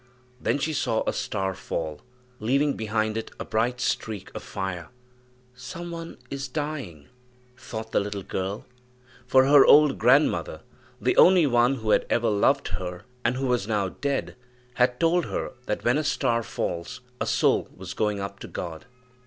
Then she saw a star fall, leaving behind it a bright streak of fire. "Some one is dying," thought the little girl, for her old grandmother, the only one who had ever loved her, and who was now dead, had told her that when a star falls, a soul was going up to God.